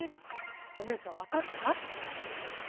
お姉さん、分かった？